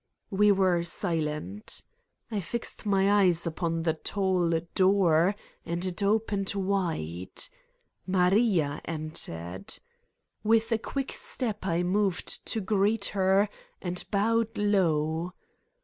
We were silent. I fixed my eyes upon the tall door and it opened wide. Maria entered. With 233 Satan's Diary a quick step I moved to greet her and bowed low.